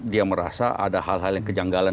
dia merasa ada hal hal yang kejanggalan